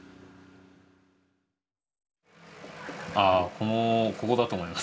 あこのここだと思います。